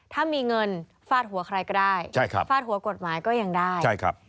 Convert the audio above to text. ถ้ามีเงินฟาดหัวใครก็ได้ฟาดหัวกฎหมายก็ยังได้